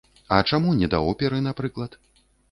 А чаму не да оперы, напрыклад?